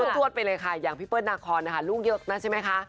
วดไปเลยค่ะอย่างพี่เปิ้ลนาคอนนะคะลูกเยอะนะใช่ไหมคะ